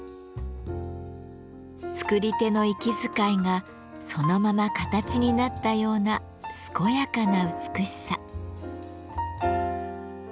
作り手の息遣いがそのまま形になったような健やかな美しさ。